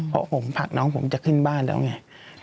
เพราะผมผลักน้องผมจะขึ้นบ้านแล้วไง